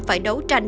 phải đấu tranh